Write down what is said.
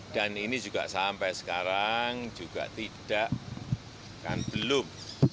dan ini juga sampai sekarang juga tidak kan belum